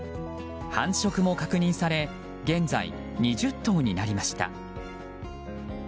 繁殖も確認され現在、２０頭になりました。